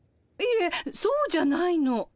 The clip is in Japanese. いえそうじゃないの。